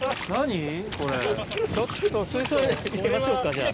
ちょっと水槽入れましょうかじゃあ。